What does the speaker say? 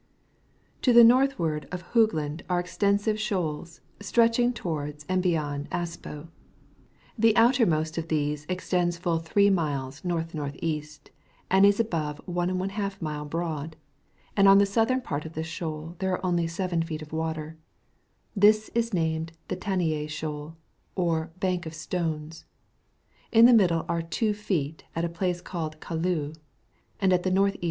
— To the north ward of Hoogland are extensive shoals stretching towards and beyond Aspo. The outer most of these extends full 3 miles N.N.E., and is above 1^ mile broad; on the southern part of this shoal are only 7 feet water; this is named the Taneni Shoal, or Bank of Stones; on ^e middle are 2 feet at a place called Kallu, and at the N.E.